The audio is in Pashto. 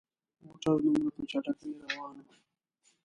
موټر دومره په چټکۍ روان وو.